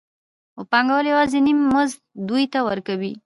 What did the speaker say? خو پانګوال یوازې نیم مزد دوی ته ورکوي